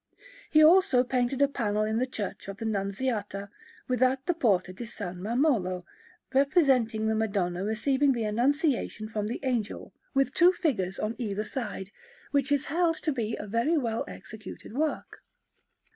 He also painted a panel in the Church of the Nunziata, without the Porta di S. Mammolo, representing the Madonna receiving the Annunciation from the Angel, with two figures on either side, which is held to be a very well executed work.